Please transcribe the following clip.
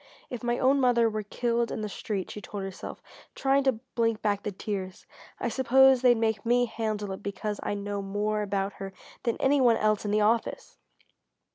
"If my own mother were killed in the street," she told herself, trying to blink back the tears, "I suppose they'd make me handle it because I know more about her than any one else in the office!"